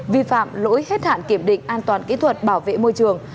vi phạm lỗi hết hạn kiểm định an toàn kỹ thuật bảo vệ môi trường